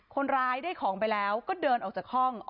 คนร้ายได้ของไปแล้วก็เดินออกจากห้อง